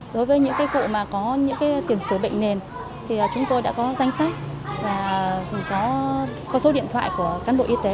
đối với những cụ có tiền sửa bệnh nền thì chúng tôi đã có danh sách và có số điện thoại của cán bộ y tế